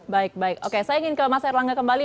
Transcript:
baik baik oke saya ingin ke mas erlangga kembali